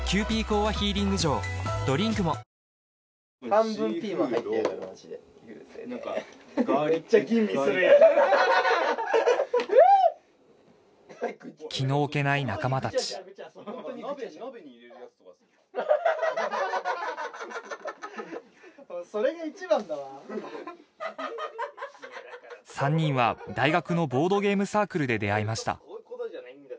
半分ピーマン入ってるからマジで何かガーリックめっちゃ吟味するやんハハハハうーっ気の置けない仲間達・それが一番だわ３人は大学のボードゲームサークルで出会いました